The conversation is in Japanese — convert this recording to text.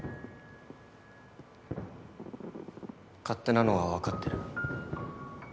勝手なのは分かってる。